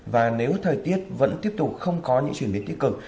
và nếu thời tiết vẫn tiếp tục không có những chuyển biến tích cực